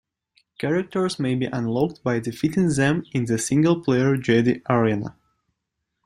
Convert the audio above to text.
Characters may be unlocked by defeating them in the single player Jedi arena.